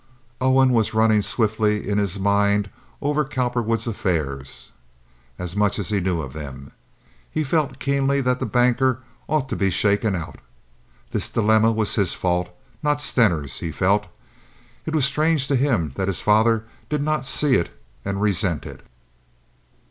Owen was running swiftly in his mind over Cowperwood's affairs—as much as he knew of them. He felt keenly that the banker ought to be shaken out. This dilemma was his fault, not Stener's—he felt. It was strange to him that his father did not see it and resent it.